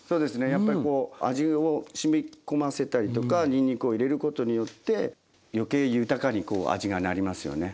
やっぱりこう味をしみこませたりとかにんにくを入れることによって余計豊かにこう味がなりますよね。